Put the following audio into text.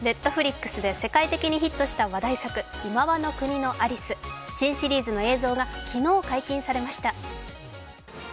Ｎｅｔｆｌｉｘで世界的にヒットした話題作「今際の国のアリス」新シリーズの映像が昨日、解禁されました。